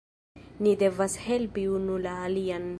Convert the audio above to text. Ni devas helpi unu la alian